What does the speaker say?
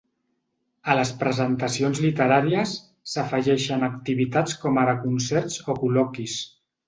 A les presentacions literàries, s’afegeixen activitats com ara concerts o col·loquis.